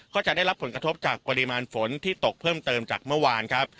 ก็จะได้รับผลกระทบจากปริมาณฝนที่ตกเพิ่มเติมจากเมื่อวานครับ